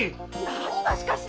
何が「しかし」です！